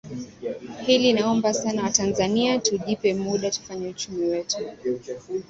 Hili naomba sana Watanzania tujipe muda tufanye uchumi wetu